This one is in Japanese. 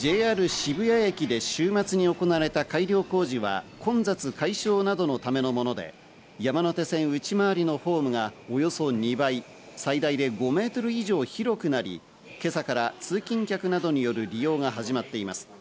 渋谷駅で週末に行われた改良工事は混雑解消などのためのもので、山手線内回りのホームがおよそ２倍、最大で５ｍ以上広くなり、今朝から通勤客などによる利用が始まっています。